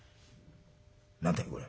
何だいこれ。